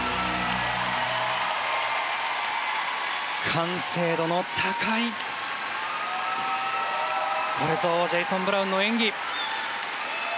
完成度の高い、これぞジェイソン・ブラウンの演技。